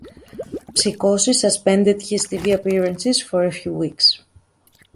Psicosis suspended his TV appearances for a few weeks.